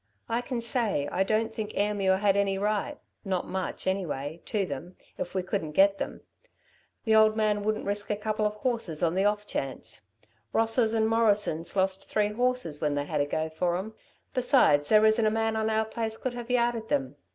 I can say, I don't think Ayrmuir had any right not much anyway to them, if we couldn't get them. The old man wouldn't risk a couple of horses on the off chance. Rosses and Morrisons lost three horses when they had a go for 'em, besides there isn't a man on our place could have yarded them.